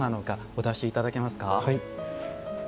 お出しいただけますか？